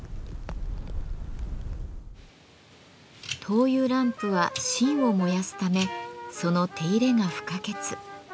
灯油ランプは芯を燃やすためその手入れが不可欠。